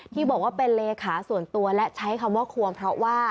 ที่บอกว่าเป็นเลขาส่วนตัวและใช้คำว่าควงเพราะว่า